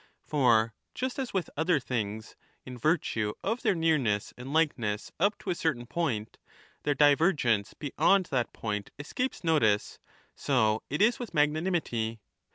For just as with other things, in virtue of their nearness 20 and likeness up to a certain point, their divergence beyond that point escapes notice, so it is with magnanimity.